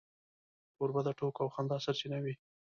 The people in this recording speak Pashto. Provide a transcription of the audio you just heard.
کوربه د ټوکو او خندا سرچینه وي.